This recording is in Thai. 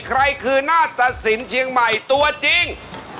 ใครคือหน้าตะสินเชียงใหม่ตัวจริง